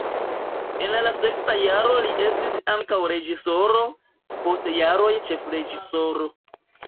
En la sekva jaro li estis ankaŭ reĝisoro, post jaroj ĉefreĝisoro.